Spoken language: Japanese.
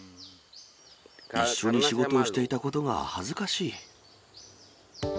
一緒に仕事をしていたことが恥ずかしい。